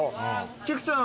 菊ちゃん。